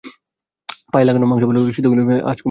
পায়ায় লাগানো মাংস ভালো করে সেদ্ধ হয়ে গেলে আঁচ কমিয়ে দিতে হবে।